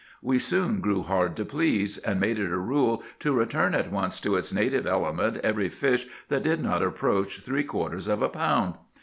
We soon grew hard to please, and made it a rule to return at once to its native element every fish that did not approach three quarters of a pound.